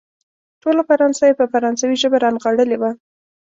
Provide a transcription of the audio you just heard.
ټوله فرانسه يې په فرانسوي ژبه رانغاړلې وه.